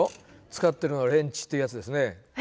使ってるのはレンチってやつですね。